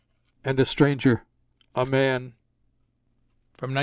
"And a stranger. A man " "From 1935?